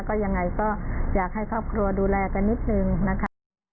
ก็ยังไงก็อยากให้ครอบครัวดูแลกันนิดนึงนะคะ